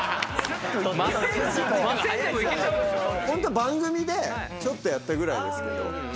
ホント番組でちょっとやったぐらいですけど。